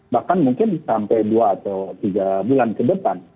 bahkan mungkin sampai dua atau tiga bulan ke depan